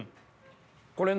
これ。